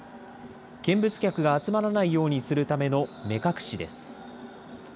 見物客が集まらないようにするための目隠しです。